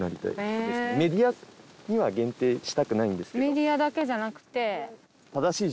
メディアだけじゃなくて。